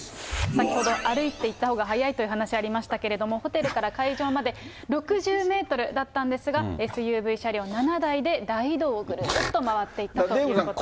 先ほど、歩いて行ったほうが速いという話ありましたけれども、ホテルから会場まで６０メートルだったんですが、ＳＵＶ車両７台で大移動を、くるっと回っていったということです。